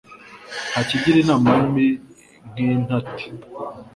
Nta kigira inama mbi nk'intati,